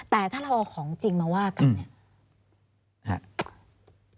แต่ถ้าเราเอาของจริงมาว่ากันเนี่ย